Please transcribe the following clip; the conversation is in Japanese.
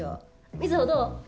瑞穂どう？